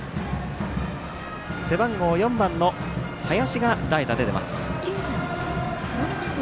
背番号４番の林が代打で出ます。